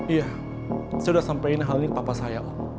iya saya udah sampein hal ini ke papa saya om